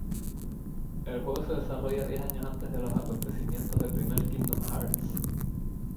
El juego se desarrolla diez años antes de los acontecimientos del primer "Kingdom Hearts".